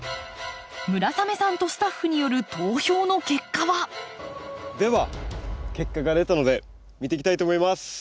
村雨さんとスタッフによる投票の結果は？では結果が出たので見ていきたいと思います。